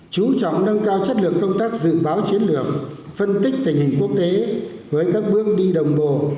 chú trọng nâng cao chất lượng công tác dự báo chiến lược phân tích tình hình quốc tế với các bước đi đồng bộ